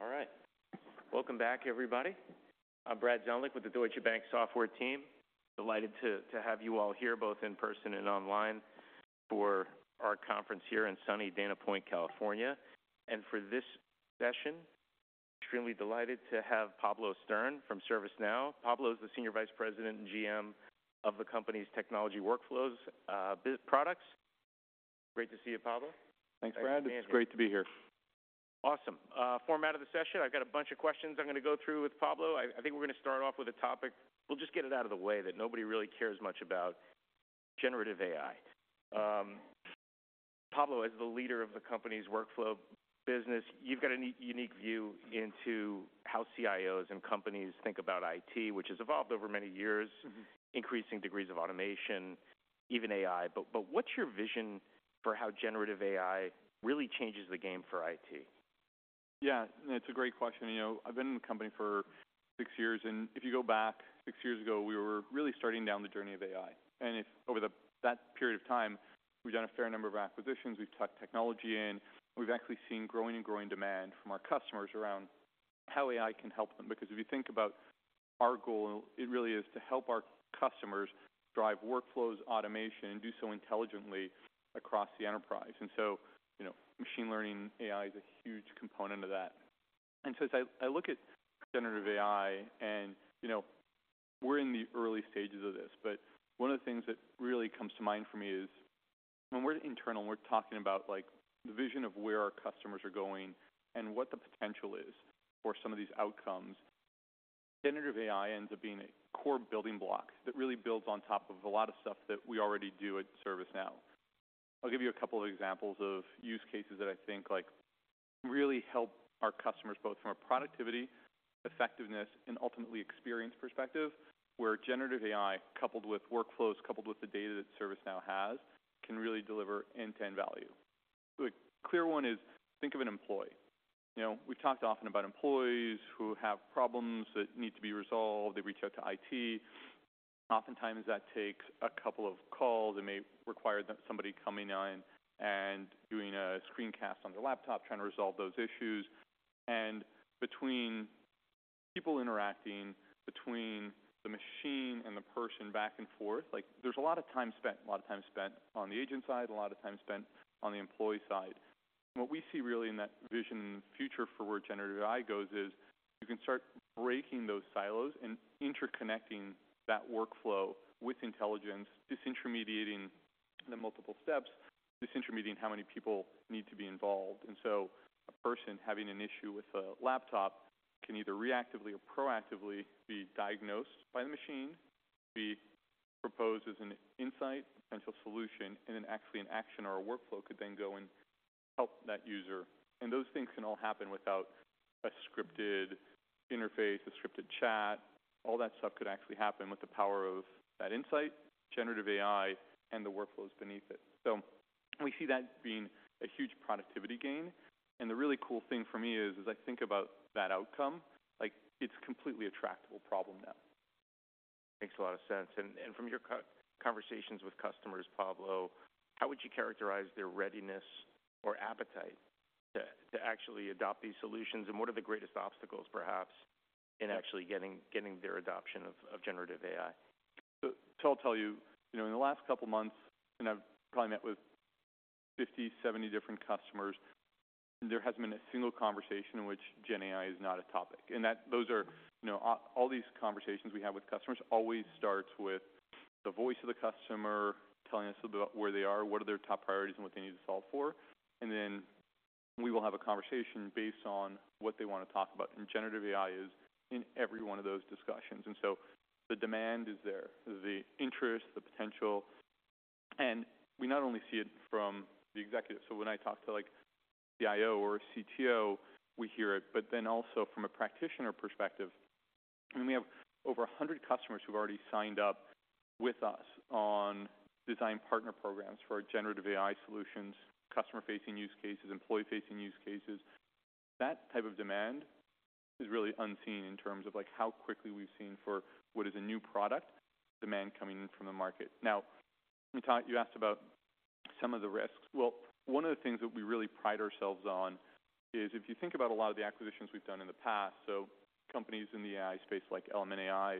All right. Welcome back, everybody. I'm Brad Zelnick with the Deutsche Bank Software team. Delighted to have you all here, both in person and online, for our conference here in sunny Dana Point, California. For this session, extremely delighted to have Pablo Stern from ServiceNow. Pablo is the Senior Vice President and GM of the company's Technology Workflows, biz products. Great to see you, Pablo. Thanks, Brad. It's great to be here. Awesome. Format of the session, I've got a bunch of questions I'm gonna go through with Pablo. I think we're gonna start off with a topic, we'll just get it out of the way, that nobody really cares much about: Generative AI. Pablo, as the leader of the company's workflow business, you've got a unique view into how CIOs and companies think about IT, which has evolved over many years- Mm-hmm. Increasing degrees of automation, even AI. But, but what's your vision for how generative AI really changes the game for IT? Yeah, it's a great question. You know, I've been in the company for six years, and if you go back six years ago, we were really starting down the journey of AI. And over that period of time, we've done a fair number of acquisitions, we've tucked technology in, we've actually seen growing and growing demand from our customers around how AI can help them. Because if you think about our goal, it really is to help our customers drive workflows, automation, and do so intelligently across the enterprise. And so, you know, machine learning AI is a huge component of that. As I look at generative AI, you know, we're in the early stages of this, but one of the things that really comes to mind for me is when we're internal, we're talking about, like, the vision of where our customers are going and what the potential is for some of these outcomes. Generative AI ends up being a core building block that really builds on top of a lot of stuff that we already do at ServiceNow. I'll give you a couple of examples of use cases that I think, like, really help our customers, both from a productivity, effectiveness, and ultimately experience perspective, where generative AI, coupled with workflows, coupled with the data that ServiceNow has, can really deliver end-to-end value. The clear one is, think of an employee. You know, we've talked often about employees who have problems that need to be resolved. They reach out to IT. Oftentimes, that takes a couple of calls. It may require somebody coming in and doing a screencast on their laptop, trying to resolve those issues. And between people interacting, between the machine and the person back and forth, like, there's a lot of time spent, a lot of time spent on the agent side, a lot of time spent on the employee side. What we see really in that vision future for where generative AI goes is, you can start breaking those silos and interconnecting that workflow with intelligence, disintermediating the multiple steps, disintermediating how many people need to be involved. And so a person having an issue with a laptop can either reactively or proactively be diagnosed by the machine, be proposed as an insight, potential solution, and then actually an action or a workflow could then go and help that user. And those things can all happen without a scripted interface, a scripted chat. All that stuff could actually happen with the power of that insight, Generative AI, and the workflows beneath it. So we see that being a huge productivity gain. And the really cool thing for me is, as I think about that outcome, like, it's a completely tractable problem now. Makes a lot of sense. And from your conversations with customers, Pablo, how would you characterize their readiness or appetite to actually adopt these solutions? And what are the greatest obstacles, perhaps, in actually getting their adoption of generative AI? So, so I'll tell you, you know, in the last couple of months, and I've probably met with 50, 70 different customers, there hasn't been a single conversation in which GenAI is not a topic, and that... Those are, you know, all, all these conversations we have with customers always starts with the voice of the customer telling us about where they are, what are their top priorities, and what they need to solve for. And then we will have a conversation based on what they want to talk about, and generative AI is in every one of those discussions. And so the demand is there, the interest, the potential, and we not only see it from the executive. So when I talk to, like, CIO or CTO, we hear it, but then also from a practitioner perspective, and we have over 100 customers who've already signed up with us on Design Partner Programs for our Generative AI solutions, customer-facing use cases, employee-facing use cases. That type of demand is really unseen in terms of, like, how quickly we've seen for what is a new product, demand coming in from the market. Now, you talked, you asked about some of the risks. Well, one of the things that we really pride ourselves on is, if you think about a lot of the acquisitions we've done in the past, so companies in the AI space, like Element AI,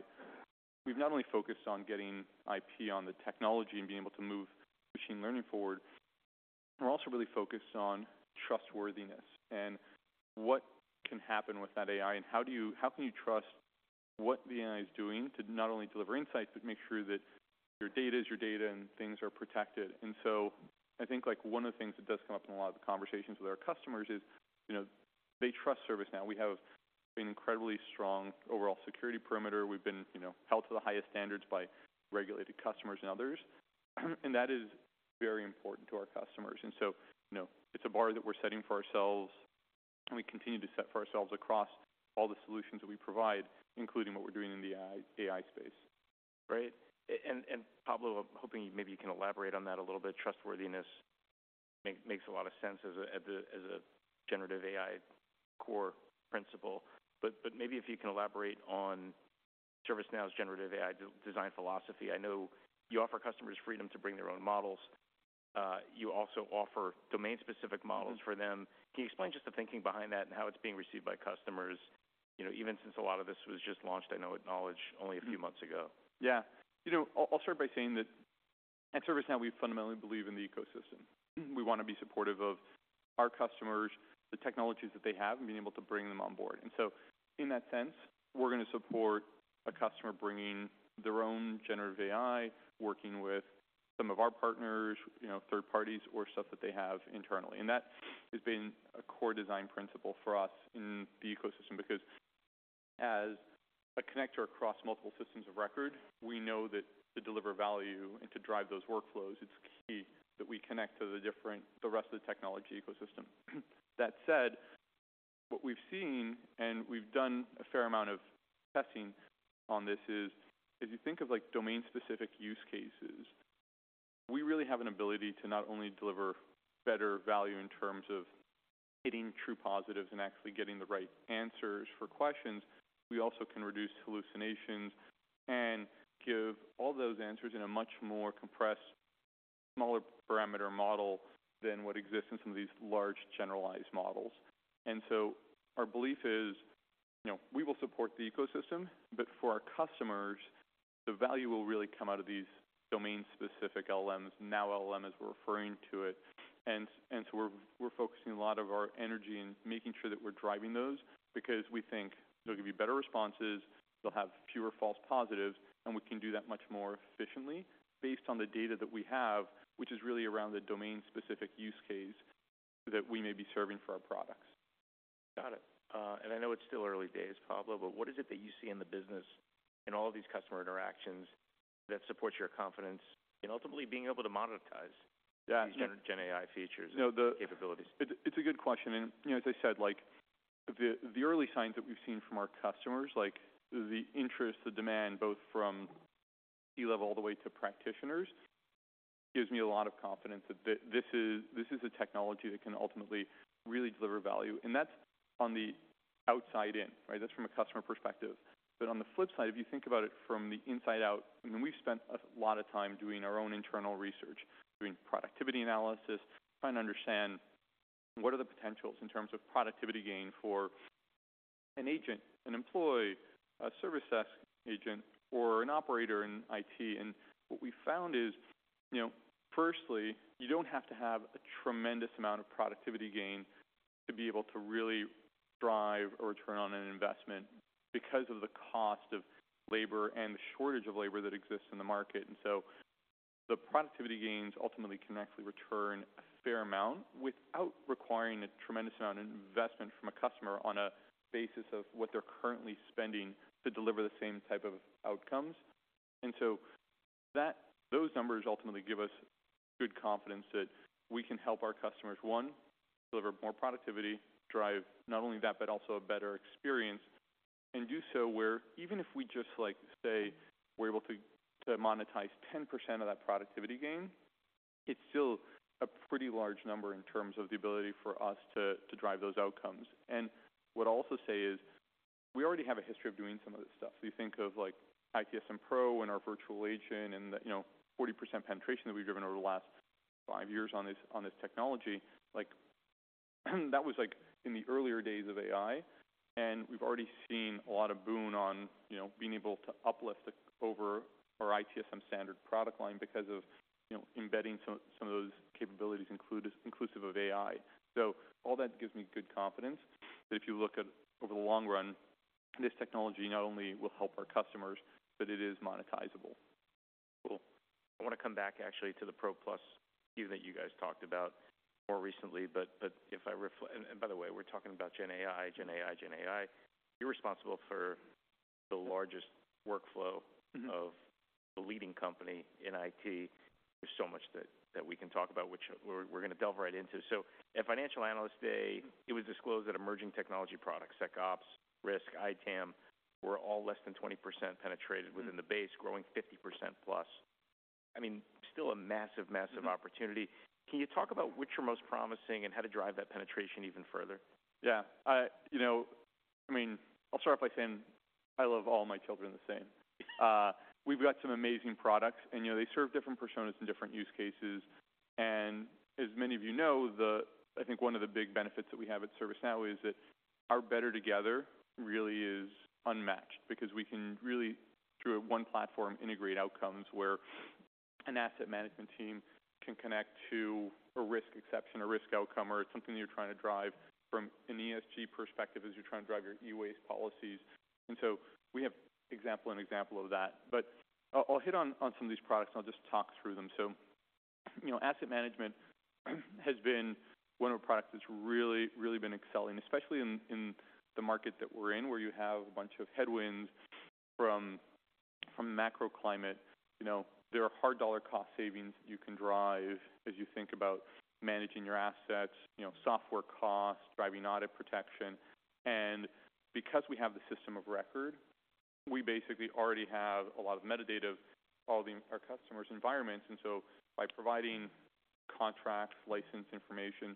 we've not only focused on getting IP on the technology and being able to move machine learning forward, we're also really focused on trustworthiness and what can happen with that AI, and how do you, how can you trust what the AI is doing to not only deliver insights but make sure that your data is your data and things are protected? And so I think, like, one of the things that does come up in a lot of the conversations with our customers is, you know, they trust ServiceNow. We have an incredibly strong overall security perimeter. We've been, you know, held to the highest standards by regulated customers and others, and that is very important to our customers. And so, you know, it's a bar that we're setting for ourselves, and we continue to set for ourselves across all the solutions that we provide, including what we're doing in the AI, AI space. Great. And Pablo, I'm hoping maybe you can elaborate on that a little bit. Trustworthiness makes a lot of sense as a generative AI core principle. But maybe if you can elaborate on ServiceNow's generative AI design philosophy. I know you offer customers freedom to bring their own models. You also offer domain-specific models- Mm-hmm. -for them. Can you explain just the thinking behind that and how it's being received by customers? You know, even since a lot of this was just launched, I know, at Knowledge only a few months ago. Yeah. You know, I'll, I'll start by saying that at ServiceNow, we fundamentally believe in the ecosystem. We want to be supportive of our customers, the technologies that they have, and being able to bring them on board. And so in that sense, we're going to support a customer bringing their own generative AI, working with some of our partners, you know, third parties, or stuff that they have internally. And that has been a core design principle for us in the ecosystem, because as a connector across multiple systems of record, we know that to deliver value and to drive those workflows, it's key that we connect to the rest of the technology ecosystem. That said, what we've seen, and we've done a fair amount of testing on this, is if you think of, like, domain-specific use cases, we really have an ability to not only deliver better value in terms of hitting true positives and actually getting the right answers for questions, we also can reduce hallucinations and give all those answers in a much more compressed, smaller parameter model than what exists in some of these large, generalized models. And so our belief is, you know, we will support the ecosystem, but for our customers, the value will really come out of these domain-specific LMs, now LLMs, we're referring to it. So we're focusing a lot of our energy in making sure that we're driving those because we think they'll give you better responses, they'll have fewer false positives, and we can do that much more efficiently based on the data that we have, which is really around the domain-specific use case that we may be serving for our products. Got it. And I know it's still early days, Pablo, but what is it that you see in the business, in all of these customer interactions, that supports your confidence in ultimately being able to monetize? Yeah. these GenAI features- No, the- - capabilities?... It's a good question, and, you know, as I said, like, the early signs that we've seen from our customers, like, the interest, the demand, both from C-level all the way to practitioners, gives me a lot of confidence that this is, this is a technology that can ultimately really deliver value. And that's on the outside in, right? That's from a customer perspective. But on the flip side, if you think about it from the inside out, I mean, we've spent a lot of time doing our own internal research, doing productivity analysis, trying to understand what are the potentials in terms of productivity gain for an agent, an employee, a service desk agent, or an operator in IT. What we found is, you know, firstly, you don't have to have a tremendous amount of productivity gain to be able to really drive or return on an investment because of the cost of labor and the shortage of labor that exists in the market. So the productivity gains ultimately can actually return a fair amount without requiring a tremendous amount of investment from a customer on a basis of what they're currently spending to deliver the same type of outcomes. And so that, those numbers ultimately give us good confidence that we can help our customers, one, deliver more productivity, drive not only that, but also a better experience, and do so where even if we just, like, say, we're able to, to monetize 10% of that productivity gain, it's still a pretty large number in terms of the ability for us to, to drive those outcomes. And what I'll also say is, we already have a history of doing some of this stuff. So you think of, like, ITSM Pro and our Virtual Agent and the, you know, 40% penetration that we've driven over the last five years on this, on this technology. Like, that was, like, in the earlier days of AI, and we've already seen a lot of boom on, you know, being able to uplift over our ITSM Standard product line because of, you know, embedding some of those capabilities, inclusive of AI. So all that gives me good confidence that if you look at over the long run, this technology not only will help our customers, but it is monetizable. Cool. I want to come back actually to the Pro Plus view that you guys talked about more recently. But if I reflect, and by the way, we're talking about GenAI, GenAI, GenAI. You're responsible for the largest workflow- Mm-hmm... of the leading company in IT. There's so much that we can talk about, which we're going to delve right into. So at Financial Analyst Day, it was disclosed that emerging technology products like Ops, Risk, ITAM were all less than 20% penetrated within the base, growing 50%+. I mean, still a massive, massive- Mm-hmm... opportunity. Can you talk about which are most promising and how to drive that penetration even further? Yeah. I, you know, I mean, I'll start off by saying I love all my children the same. We've got some amazing products, and, you know, they serve different personas and different use cases. And as many of you know, the, I think one of the big benefits that we have at ServiceNow is that our better together really is unmatched because we can really, through one platform, integrate outcomes where an asset management team can connect to a risk exception or risk outcome, or it's something that you're trying to drive from an ESG perspective as you're trying to drive your e-waste policies. And so we have example and example of that. But I'll hit on some of these products, and I'll just talk through them. So, you know, asset management has been one of our products that's really, really been excelling, especially in, in the market that we're in, where you have a bunch of headwinds from, from macro climate. You know, there are hard dollar cost savings you can drive as you think about managing your assets, you know, software costs, driving audit protection. And because we have the system of record, we basically already have a lot of metadata of all the, our customers' environments. And so by providing contract license information,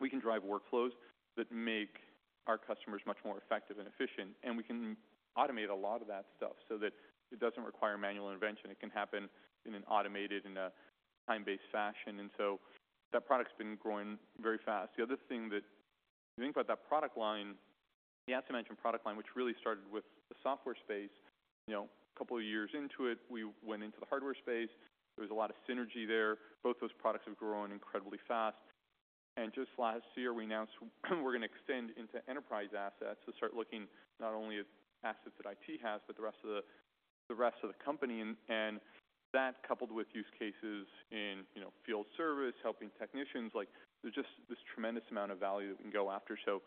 we can drive workflows that make our customers much more effective and efficient, and we can automate a lot of that stuff so that it doesn't require manual intervention. It can happen in an automated and a time-based fashion, and so that product's been growing very fast. The other thing that, if you think about that product line, the asset management product line, which really started with the software space, you know, a couple of years into it, we went into the hardware space. There was a lot of synergy there. Both those products have grown incredibly fast. And just last year, we announced we're going to extend into enterprise assets, to start looking not only at assets that IT has, but the rest of the, the rest of the company. And, and that coupled with use cases in, you know, field service, helping technicians, like, there's just this tremendous amount of value that we can go after. So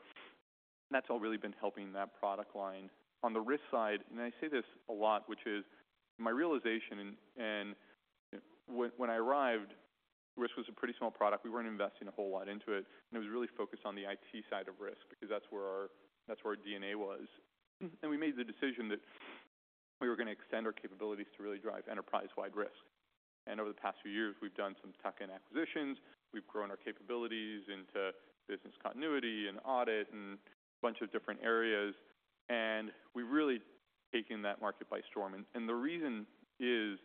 that's all really been helping that product line. On the risk side, and I say this a lot, which is my realization and, and when, when I arrived, risk was a pretty small product. We weren't investing a whole lot into it, and it was really focused on the IT side of risk because that's where our, that's where our DNA was. We made the decision that we were going to extend our capabilities to really drive enterprise-wide risk. Over the past few years, we've done some tuck-in acquisitions. We've grown our capabilities into business continuity and audit and a bunch of different areas, and we've really taken that market by storm. And the reason is,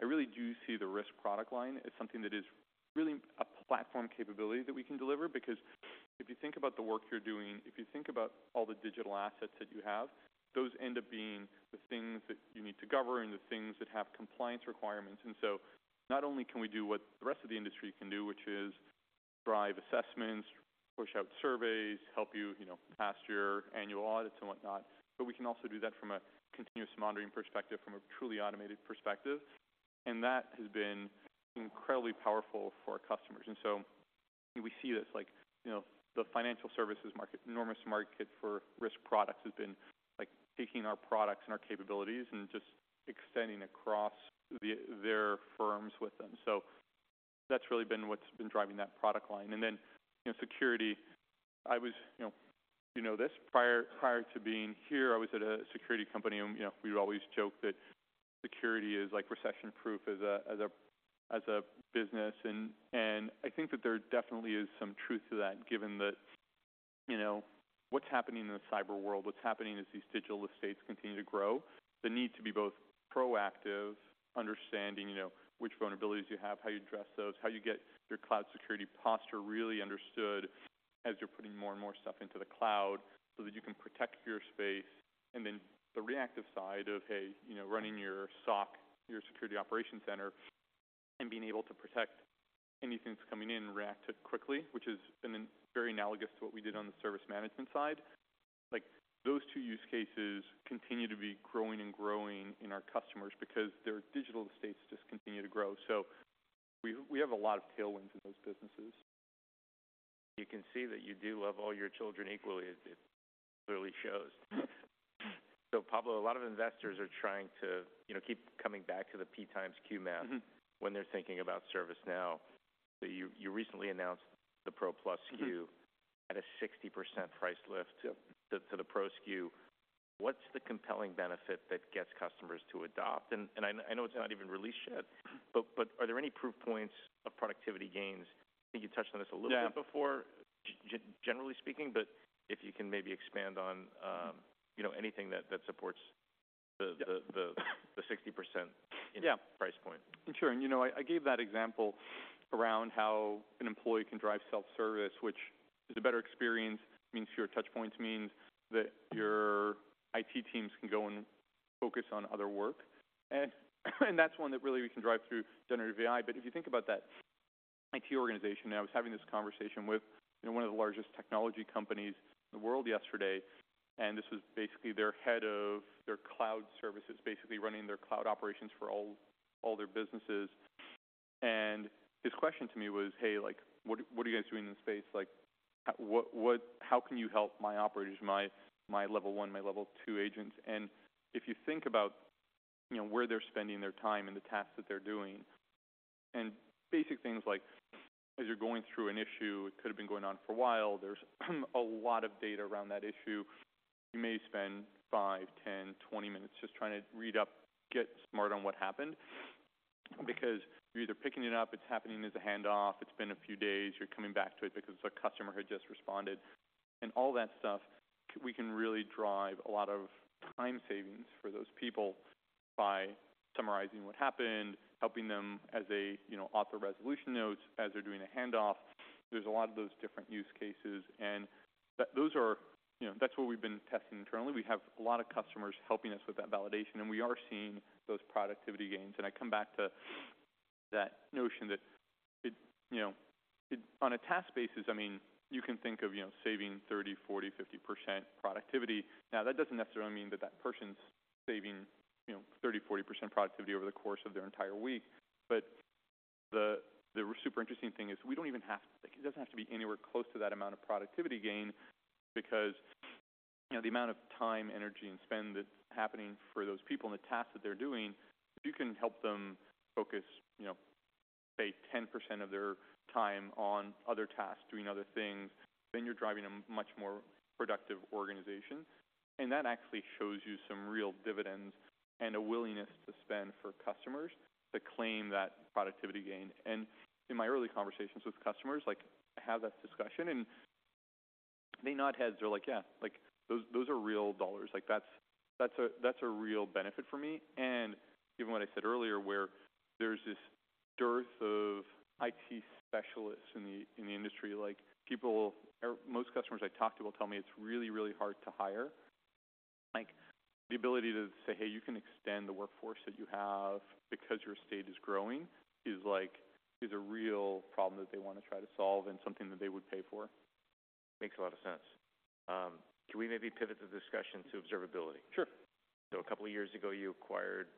I really do see the risk product line as something that is really a platform capability that we can deliver. Because if you think about the work you're doing, if you think about all the digital assets that you have, those end up being the things that you need to govern and the things that have compliance requirements. And so not only can we do what the rest of the industry can do, which is drive assessments, push out surveys, help you, you know, pass your annual audits and whatnot, but we can also do that from a continuous monitoring perspective, from a truly automated perspective, and that has been incredibly powerful for our customers. And so we see this, like, you know, the financial services market, enormous market for risk products, has been, like, taking our products and our capabilities and just extending across their firms with them. So that's really been what's been driving that product line. And then, you know, security, I was. You know, you know this, prior, prior to being here, I was at a security company, and, you know, we'd always joke that security is like recession-proof as a, as a, as a business. I think that there definitely is some truth to that, given that, you know, what's happening in the cyber world, what's happening as these digital estates continue to grow, the need to be both proactive, understanding, you know, which vulnerabilities you have, how you address those, how you get your cloud security posture really understood as you're putting more and more stuff into the cloud so that you can protect your space. And then the reactive side of, hey, you know, running your SOC, your security operations center, and being able to protect anything that's coming in and react to it quickly, which has been very analogous to what we did on the service management side. Like, those two use cases continue to be growing and growing in our customers because their digital estates just continue to grow. So we have a lot of tailwinds in those businesses. You can see that you do love all your children equally. It, it really shows. So Pablo, a lot of investors are trying to, you know, keep coming back to the P times Q math- Mm-hmm. -when they're thinking about ServiceNow. So you recently announced the Pro Plus SKU- Mm-hmm. at a 60% price lift- Yep... to the Pro SKU. What's the compelling benefit that gets customers to adopt? And I know it's not even released yet, but are there any proof points of productivity gains? I think you touched on this a little bit before- Yeah... generally speaking, but if you can maybe expand on, you know, anything that supports the, the- Yeah... the 60%- Yeah... price point. Sure. And, you know, I, I gave that example around how an employee can drive self-service, which is a better experience, means fewer touch points, means that your IT teams can go and focus on other work. And, and that's one that really we can drive through generative AI. But if you think about that IT organization, I was having this conversation with, you know, one of the largest technology companies in the world yesterday, and this was basically their head of their cloud services, basically running their cloud operations for all, all their businesses. And his question to me was: "Hey, like, what are, what are you guys doing in this space? Like, what? How can you help my operators, my level one, my level two agents? And if you think about, you know, where they're spending their time and the tasks that they're doing, and basic things like, as you're going through an issue, it could have been going on for a while. There's a lot of data around that issue. You may spend 5, 10, 20 minutes just trying to read up, get smart on what happened, because you're either picking it up, it's happening as a handoff, it's been a few days, you're coming back to it because a customer had just responded. And all that stuff, we can really drive a lot of time savings for those people by summarizing what happened, helping them as they, you know, author resolution notes, as they're doing a handoff. There's a lot of those different use cases, and those are, you know, that's what we've been testing internally. We have a lot of customers helping us with that validation, and we are seeing those productivity gains. And I come back to that notion that it, you know, it. On a task basis, I mean, you can think of, you know, saving 30, 40, 50% productivity. Now, that doesn't necessarily mean that that person's saving, you know, 30, 40% productivity over the course of their entire week. But the super interesting thing is, we don't even have—like, it doesn't have to be anywhere close to that amount of productivity gain because, you know, the amount of time, energy, and spend that's happening for those people and the tasks that they're doing, if you can help them focus, you know, say, 10% of their time on other tasks, doing other things, then you're driving a much more productive organization... And that actually shows you some real dividends and a willingness to spend for customers to claim that productivity gain. And in my early conversations with customers, like, I have that discussion, and they nod heads. They're like: "Yeah, like, those, those are real dollars. Like, that's a real benefit for me. And given what I said earlier, where there's this dearth of IT specialists in the industry, like, people or most customers I talk to will tell me it's really, really hard to hire. Like, the ability to say, "Hey, you can extend the workforce that you have because your estate is growing," is a real problem that they want to try to solve and something that they would pay for. Makes a lot of sense. Can we maybe pivot the discussion to observability? Sure. So a couple of years ago, you acquired a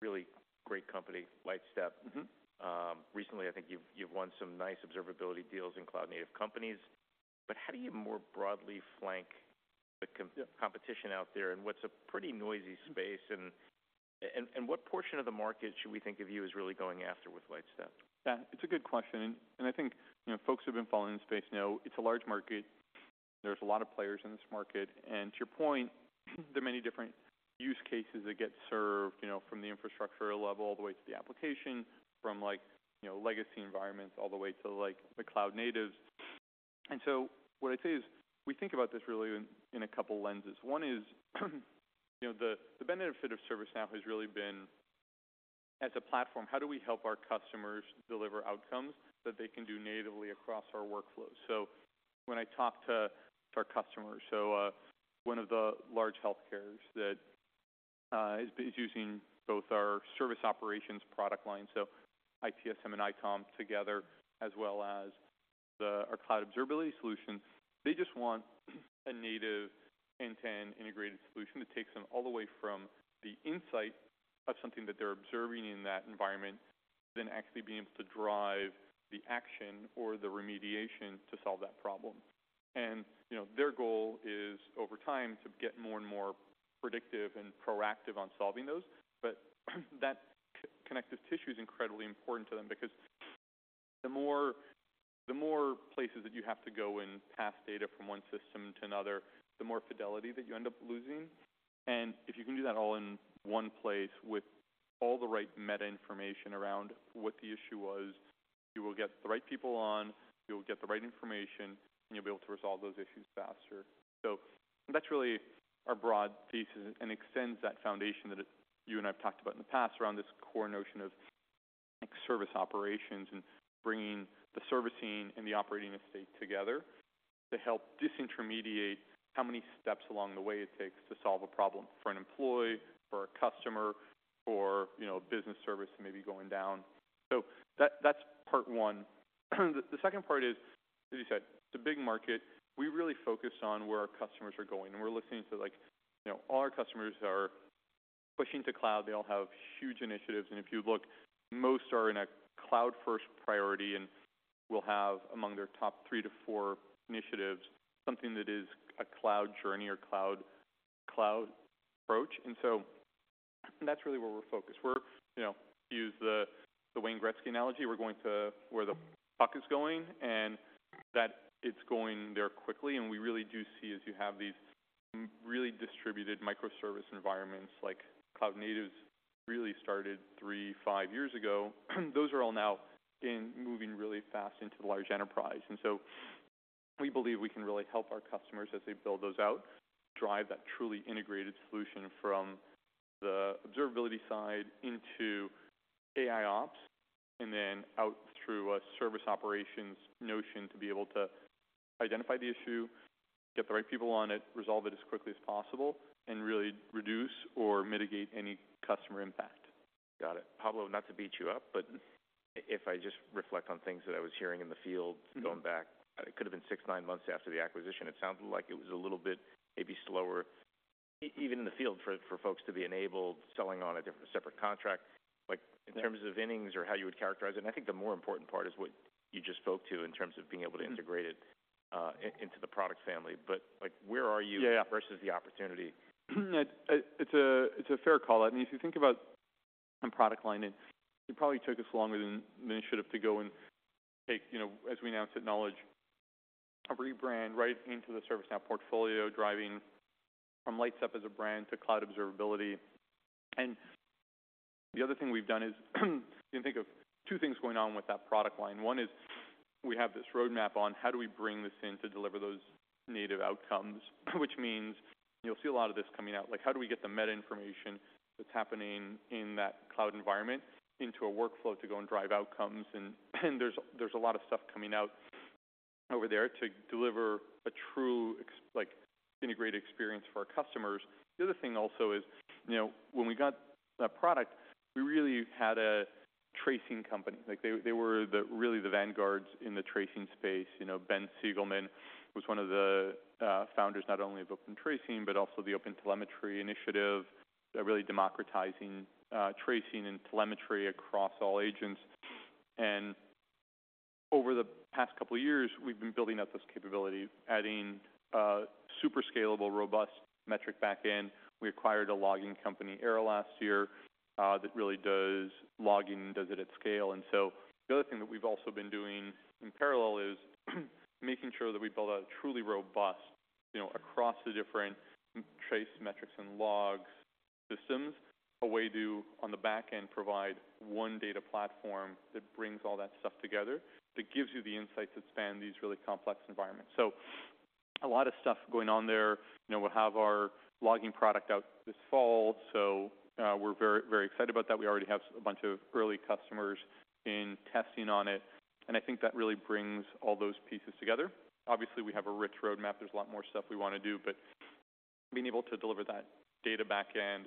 really great company, Lightstep. Mm-hmm. Recently, I think you've won some nice observability deals in cloud-native companies. But how do you more broadly flank the com- Yeah... competition out there in what's a pretty noisy space? And what portion of the market should we think of you as really going after with Lightstep? Yeah, it's a good question, and I think, you know, folks who've been following the space know it's a large market. There's a lot of players in this market, and to your point, there are many different use cases that get served, you know, from the infrastructure level all the way to the application, from like, you know, legacy environments all the way to, like, the cloud natives. And so what I'd say is, we think about this really in a couple lenses. One is, you know, the benefit of ServiceNow has really been: As a platform, how do we help our customers deliver outcomes that they can do natively across our workflows? So when I talk to our customers, one of the large healthcare that is using both our Service Operations product line, so ITSM and ITOM together, as well as our cloud observability solutions, they just want a native, end-to-end integrated solution that takes them all the way from the insight of something that they're observing in that environment, then actually being able to drive the action or the remediation to solve that problem. And, you know, their goal is, over time, to get more and more predictive and proactive on solving those. But, that connective tissue is incredibly important to them because the more places that you have to go and pass data from one system to another, the more fidelity that you end up losing. And if you can do that all in one place with all the right meta-information around what the issue was, you will get the right people on, you'll get the right information, and you'll be able to resolve those issues faster. So that's really our broad piece and extends that foundation that you and I have talked about in the past around this core notion of Service Operations and bringing the servicing and the operating estate together to help disintermediate how many steps along the way it takes to solve a problem for an employee or a customer or, you know, a business service maybe going down. So that, that's part one. The second part is, as you said, it's a big market. We really focus on where our customers are going, and we're looking into like... you know, all our customers are pushing to cloud. They all have huge initiatives, and if you look, most are in a cloud-first priority and will have, among their top 3 to 4 initiatives, something that is a cloud journey or cloud, cloud approach. And so that's really where we're focused. We're, you know, to use the, the Wayne Gretzky analogy, we're going to where the puck is going, and that it's going there quickly. And we really do see, as you have these really distributed microservice environments, like cloud natives really started 3, 5 years ago, those are all now moving really fast into the large enterprise. And so we believe we can really help our customers as they build those out, drive that truly integrated solution from the observability side into AI ops, and then out through a service operations notion to be able to identify the issue, get the right people on it, resolve it as quickly as possible, and really reduce or mitigate any customer impact. Got it. Pablo, not to beat you up, but if I just reflect on things that I was hearing in the field- Mm-hmm... going back, it could have been 6-9 months after the acquisition, it sounded like it was a little bit maybe slower, even in the field, for folks to be enabled, selling on a different, separate contract. Like- Yeah... in terms of innings or how you would characterize it, and I think the more important part is what you just spoke to in terms of being able- Mm-hmm... to integrate it into the product family. But, like, where are you- Yeah... versus the opportunity? It's a fair call out. And if you think about product line, it probably took us longer than it should have to go and take, you know, as we announced at Knowledge, a rebrand right into the ServiceNow portfolio, driving from Lightstep as a brand to Cloud Observability. And the other thing we've done is, you can think of two things going on with that product line. One is we have this roadmap on: How do we bring this in to deliver those native outcomes? Which means you'll see a lot of this coming out. Like, how do we get the meta information that's happening in that cloud environment into a workflow to go and drive outcomes? And there's a lot of stuff coming out over there to deliver a true ex-- like, integrated experience for our customers. The other thing also is, you know, when we got that product, we really had a tracing company. Like, they, they were the, really the vanguards in the tracing space. You know, Ben Sigelman was one of the, founders, not only of OpenTracing, but also the OpenTelemetry initiative, really democratizing, tracing and telemetry across all agents. And over the past couple of years, we've been building out this capability, adding a super scalable, robust metric back-end. We acquired a logging company, Era, last year, that really does logging, and does it at scale. And so the other thing that we've also been doing in parallel is, making sure that we build a truly robust, you know, across the different trace metrics and logs-... systems, a way to, on the backend, provide one data platform that brings all that stuff together, that gives you the insights that span these really complex environments. So a lot of stuff going on there. You know, we'll have our logging product out this fall, so, we're very, very excited about that. We already have a bunch of early customers in testing on it, and I think that really brings all those pieces together. Obviously, we have a rich roadmap. There's a lot more stuff we wanna do, but being able to deliver that data backend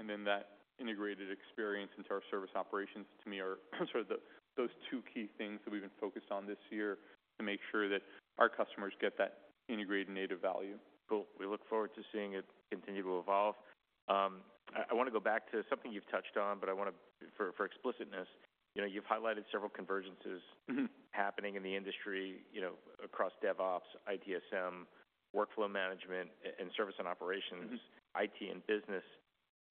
and then that integrated experience into our service operations, to me, are sort of the, those two key things that we've been focused on this year to make sure that our customers get that integrated native value. Cool. We look forward to seeing it continue to evolve. I wanna go back to something you've touched on, but I wanna, for explicitness. You know, you've highlighted several convergences- Mm-hmm happening in the industry, you know, across DevOps, ITSM, workflow management, and service and operations. Mm-hmm... IT and business.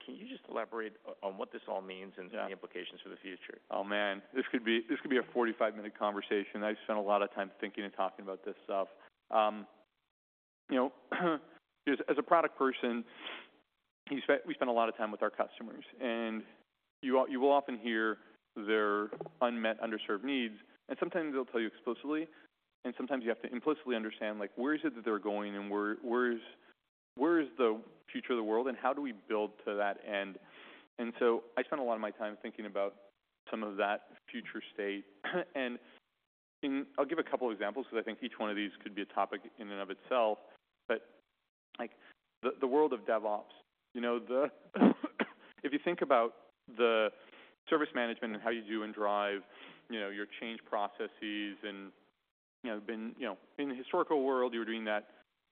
Can you just elaborate on what this all means? Yeah and the implications for the future? Oh, man, this could be, this could be a 45-minute conversation. I've spent a lot of time thinking and talking about this stuff. You know, as a product person, we spend a lot of time with our customers, and you will often hear their unmet, underserved needs. And sometimes they'll tell you explicitly, and sometimes you have to implicitly understand, like, where is it that they're going, and where is the future of the world, and how do we build to that end? And so I spend a lot of my time thinking about some of that future state. And in... I'll give a couple of examples, 'cause I think each one of these could be a topic in and of itself. But, like, the world of DevOps, you know, the—if you think about the service management and how you do and drive, you know, your change processes and, you know... In the historical world, you were doing that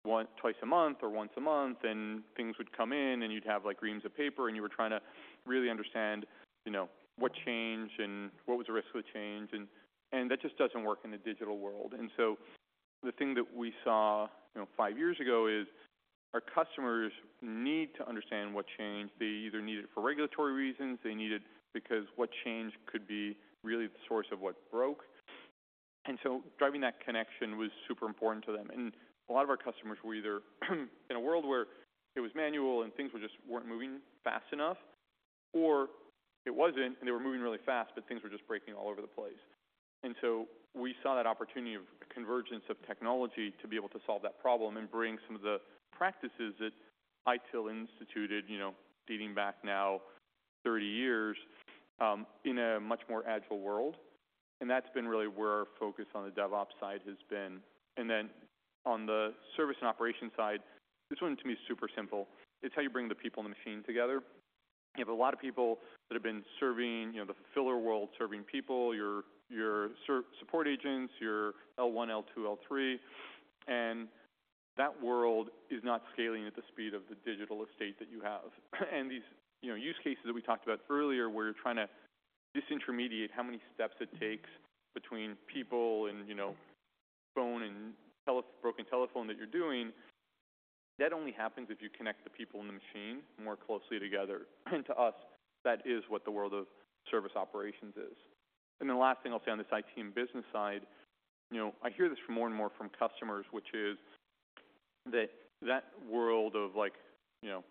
one, two a month or one a month, and things would come in, and you'd have, like, reams of paper, and you were trying to really understand, you know, what changed and what was the risk of the change. And that just doesn't work in a digital world. And so the thing that we saw, you know, five years ago is, our customers need to understand what changed. They either need it for regulatory reasons; they need it because what changed could be really the source of what broke. And so driving that connection was super important to them. A lot of our customers were either in a world where it was manual and things were just weren't moving fast enough, or it wasn't, and they were moving really fast, but things were just breaking all over the place. So we saw that opportunity of convergence of technology to be able to solve that problem and bring some of the practices that ITIL instituted, you know, dating back now 30 years, in a much more agile world, and that's been really where our focus on the DevOps side has been. Then on the service and operation side, this one to me is super simple. It's how you bring the people and the machine together. You have a lot of people that have been serving, you know, the filler world, serving people, your support agents, your L1, L2, L3, and that world is not scaling at the speed of the digital estate that you have. These, you know, use cases that we talked about earlier, where you're trying to disintermediate how many steps it takes between people and, you know, phone and telephone broken telephone that you're doing, that only happens if you connect the people in the machine more closely together. To us, that is what the world of service operations is. The last thing I'll say on this IT and business side, you know, I hear this more and more from customers, which is that, that world of, like, you know,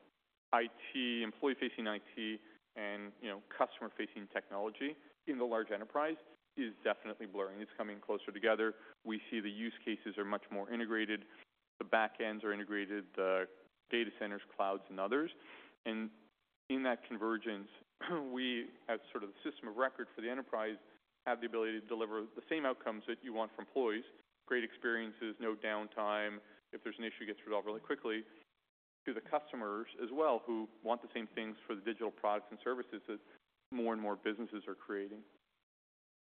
IT, employee-facing IT, and, you know, customer-facing technology in the large enterprise is definitely blurring. It's coming closer together. We see the use cases are much more integrated, the backends are integrated, the data centers, clouds, and others. In that convergence, we, as sort of the system of record for the enterprise, have the ability to deliver the same outcomes that you want from employees: great experiences, no downtime, if there's an issue, it gets resolved really quickly, to the customers as well, who want the same things for the digital products and services that more and more businesses are creating.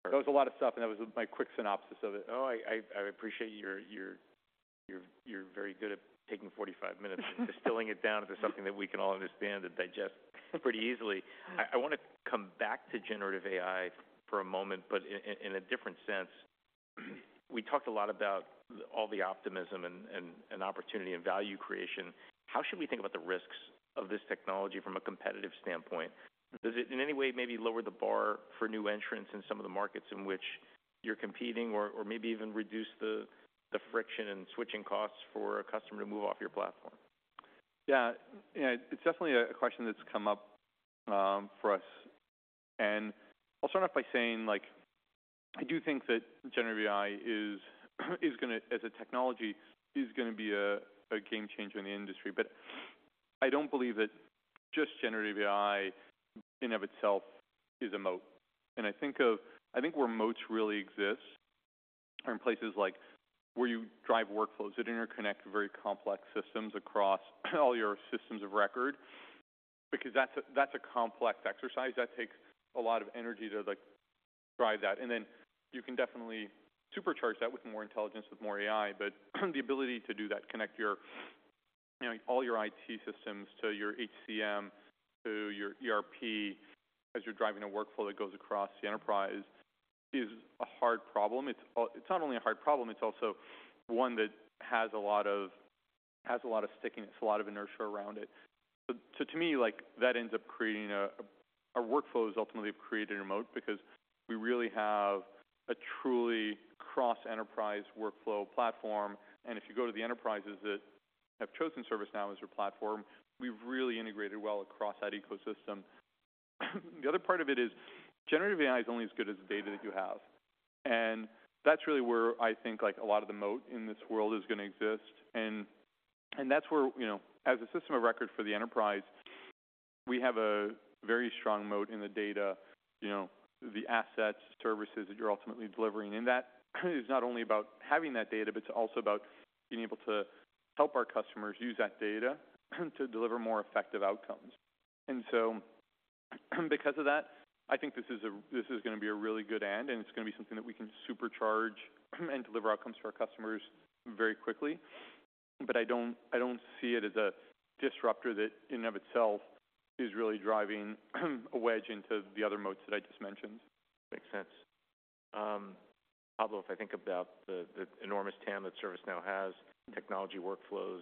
That was a lot of stuff, and that was my quick synopsis of it. Oh, I appreciate you're very good at taking 45 minutes and distilling it down to something that we can all understand and digest pretty easily. I wanna come back to generative AI for a moment, but in a different sense. We talked a lot about all the optimism and opportunity and value creation. How should we think about the risks of this technology from a competitive standpoint? Mm-hmm. Does it, in any way, maybe lower the bar for new entrants in some of the markets in which you're competing or maybe even reduce the friction and switching costs for a customer to move off your platform? Yeah. Yeah, it's definitely a, a question that's come up for us. I'll start off by saying, like, I do think that Generative AI is, is gonna... as a technology, is gonna be a, a game changer in the industry. I don't believe that just Generative AI, in of itself, is a moat. I think where moats really exist are in places like where you drive workflows that interconnect very complex systems across all your systems of record, because that's a, that's a complex exercise that takes a lot of energy to, like, drive that. Then you can definitely supercharge that with more intelligence, with more AI. The ability to do that, connect your, you know, all your IT systems to your HCM, to your ERP, as you're driving a workflow that goes across the enterprise, is a hard problem. It's—it's not only a hard problem, it's also one that has a lot of, has a lot of stickiness, a lot of inertia around it. So, to me, like, that ends up creating our workflows ultimately have created a moat because we really have a truly cross-enterprise workflow platform. And if you go to the enterprises that have chosen ServiceNow as their platform, we've really integrated well across that ecosystem. The other part of it is, Generative AI is only as good as the data that you have, and that's really where I think like a lot of the moat in this world is going to exist. And, and that's where, you know, as a system of record for the enterprise, we have a very strong moat in the data, you know, the assets, services that you're ultimately delivering. And that is not only about having that data, but it's also about being able to help our customers use that data, to deliver more effective outcomes. And so, because of that, I think this is a, this is going to be a really good end, and it's going to be something that we can supercharge and deliver outcomes to our customers very quickly. But I don't, I don't see it as a disruptor that in of itself is really driving, a wedge into the other moats that I just mentioned. Makes sense. Pablo, if I think about the enormous TAM that ServiceNow has, technology workflows,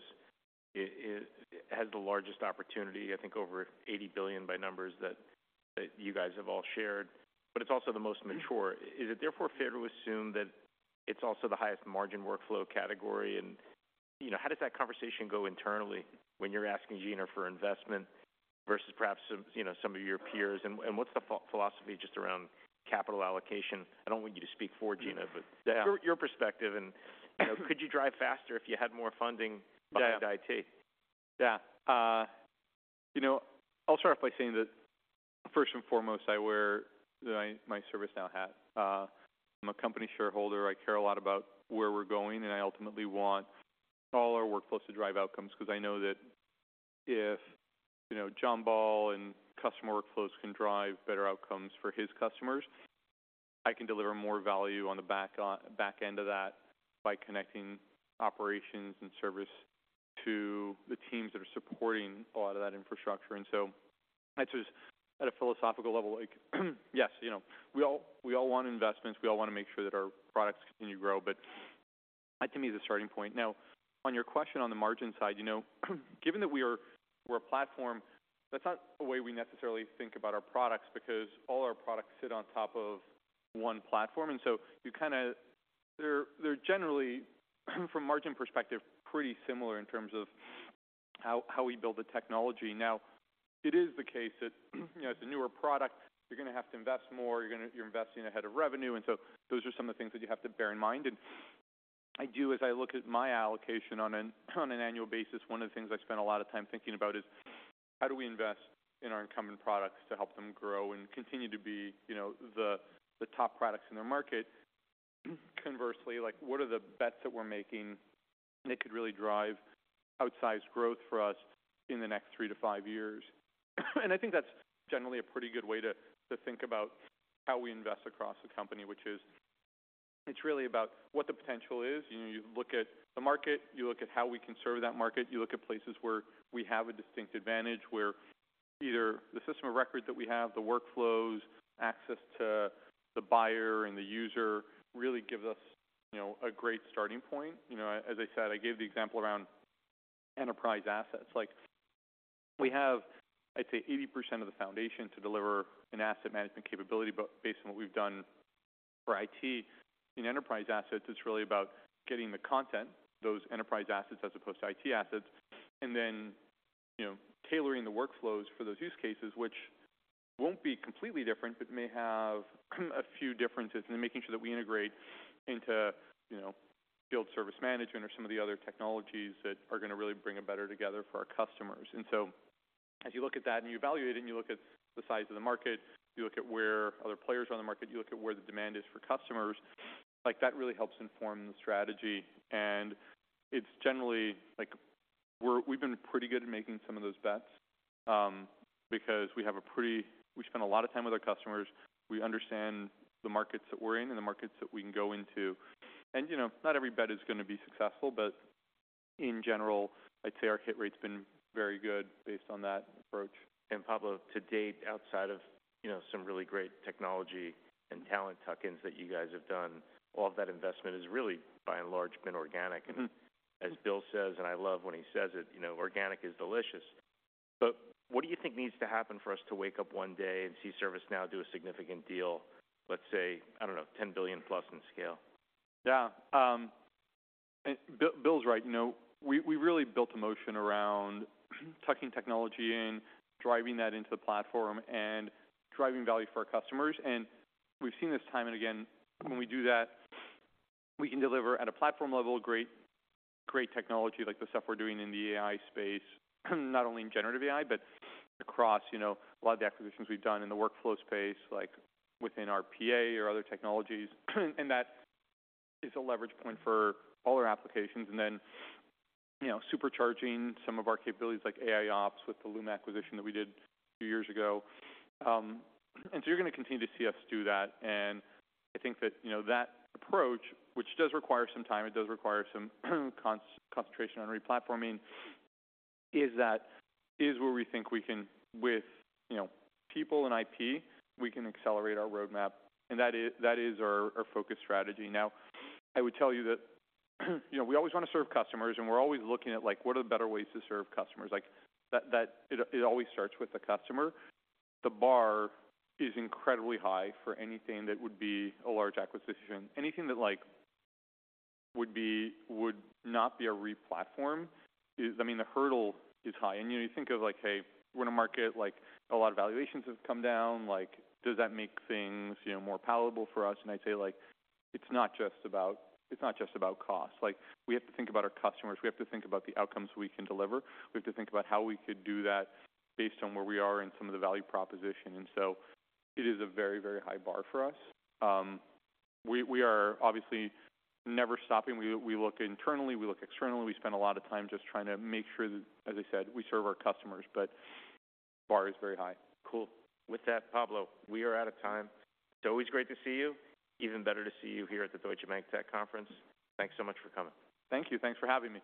it has the largest opportunity, I think, over $80 billion by numbers that you guys have all shared, but it's also the most mature. Is it therefore fair to assume that it's also the highest margin workflow category? And, you know, how does that conversation go internally when you're asking Gina for investment versus perhaps some, you know, some of your peers? And what's the philosophy just around capital allocation? I don't want you to speak for Gina, but- Yeah. your perspective, and you know, could you drive faster if you had more funding? Yeah. -behind IT? Yeah. You know, I'll start off by saying that first and foremost, I wear my ServiceNow hat. I'm a company shareholder. I care a lot about where we're going, and I ultimately want all our workflows to drive outcomes, 'cause I know that if John Ball and customer workflows can drive better outcomes for his customers, I can deliver more value on the backend of that by connecting operations and service to the teams that are supporting a lot of that infrastructure. And so I just... At a philosophical level, like, yes, you know, we all want investments. We all want to make sure that our products continue to grow, but that to me is the starting point. Now, on your question on the margin side, you know, given that we're a platform, that's not a way we necessarily think about our products, because all our products sit on top of one platform, and so you kind of they're generally, from margin perspective, pretty similar in terms of how we build the technology. Now, it is the case that, you know, it's a newer product, you're going to have to invest more, you're going to you're investing ahead of revenue, and so those are some of the things that you have to bear in mind. And I do as I look at my allocation on an annual basis, one of the things I spend a lot of time thinking about is: how do we invest in our incumbent products to help them grow and continue to be, you know, the top products in their market? Conversely, like, what are the bets that we're making that could really drive outsized growth for us in the next 3-5 years? And I think that's generally a pretty good way to think about how we invest across the company, which is... It's really about what the potential is. You know, you look at the market, you look at how we can serve that market, you look at places where we have a distinct advantage, where either the system of record that we have, the workflows, access to the buyer and the user, really gives us, you know, a great starting point. You know, as I said, I gave the example around enterprise assets. Like, we have, I'd say, 80% of the foundation to deliver an asset management capability, but based on what we've done for IT. In enterprise assets, it's really about getting the content, those enterprise assets, as opposed to IT assets, and then, you know, tailoring the workflows for those use cases, which won't be completely different, but may have a few differences, and making sure that we integrate into, you know, field service management or some of the other technologies that are going to really bring it better together for our customers. And so as you look at that and you evaluate it, and you look at the size of the market, you look at where other players are on the market, you look at where the demand is for customers, like, that really helps inform the strategy. And it's generally like we've been pretty good at making some of those bets, because we spend a lot of time with our customers. We understand the markets that we're in and the markets that we can go into. You know, not every bet is going to be successful, but in general, I'd say our hit rate's been very good based on that approach. And Pablo, to date, outside of, you know, some really great technology and talent tuck-ins that you guys have done, all of that investment is really, by and large, been organic. Mm-hmm. As Bill says, and I love when he says it, you know, "Organic is delicious." But what do you think needs to happen for us to wake up one day and see ServiceNow do a significant deal, let's say, I don't know, $10 billion+ in scale? Yeah, Bill, Bill's right. You know, we really built a motion around tucking technology in, driving that into the platform, and driving value for our customers, and we've seen this time and again. When we do that, we can deliver at a platform level great technology, like the stuff we're doing in the AI space, not only in generative AI, but across, you know, a lot of the acquisitions we've done in the workflow space, like within our PA or other technologies. And that is a leverage point for all our applications, and then, you know, supercharging some of our capabilities like AIOps, with the Loom acquisition that we did a few years ago. So you're going to continue to see us do that. I think that, you know, that approach, which does require some time, it does require some concentration on replatforming, is where we think we can with, you know, people and IP, we can accelerate our roadmap, and that is our focus strategy. Now, I would tell you that, you know, we always want to serve customers, and we're always looking at, like, what are the better ways to serve customers? Like, that, it always starts with the customer. The bar is incredibly high for anything that would be a large acquisition. Anything that, like, would not be a replatform is. I mean, the hurdle is high. You know, you think of like, hey, we're in a market, like, a lot of valuations have come down. Like, does that make things, you know, more palatable for us? I'd say, like, it's not just about, it's not just about cost. Like, we have to think about our customers. We have to think about the outcomes we can deliver. We have to think about how we could do that based on where we are and some of the value proposition, and so it is a very, very high bar for us. We are obviously never stopping. We look internally, we look externally, we spend a lot of time just trying to make sure that, as I said, we serve our customers, but bar is very high. Cool. With that, Pablo, we are out of time. It's always great to see you. Even better to see you here at the Deutsche Bank Technology Conference. Thanks so much for coming. Thank you. Thanks for having me.